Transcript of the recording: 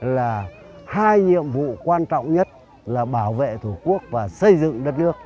là hai nhiệm vụ quan trọng nhất là bảo vệ thủ quốc và xây dựng đất nước